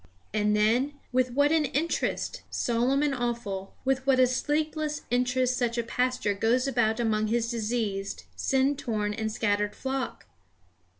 And then, with what an interest, solemn and awful, with what a sleepless interest such a pastor goes about among his diseased, sin torn, and scattered flock!